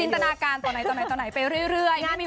สินตนาการตอนไหนไปเรื่อย